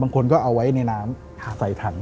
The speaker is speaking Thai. คนก็เอาไว้ในน้ำใส่ถัง